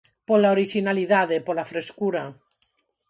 Pola orixinalidade, pola frescura.